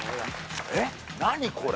えっ何これ！？